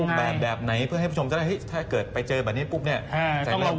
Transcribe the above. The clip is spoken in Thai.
แบบแบบไหนเพื่อให้ผู้ชมก็ได้ถ้าเกิดไปเจอแบบนี้ปุ๊บเนี่ย